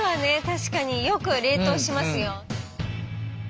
確かによく冷凍しますよ。